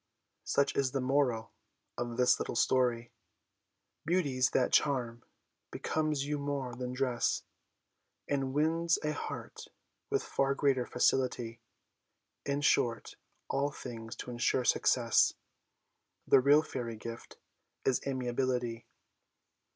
Such is the moral of this little story Beauties, that charm becomes you more than dress, And wins a heart with far greater facility. In short, in all things to ensure success, The real Fairy gift is Amiability!